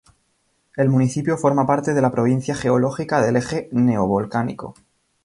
El municipio forma parte de la provincia geológica del Eje Neovolcánico.